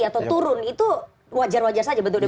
atau turun itu wajar wajar saja bentuknya